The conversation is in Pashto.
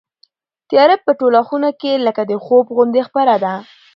تیاره په ټوله خونه کې لکه د خوب غوندې خپره ده.